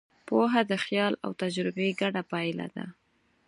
پوهه د خیال او تجربې ګډه پایله ده.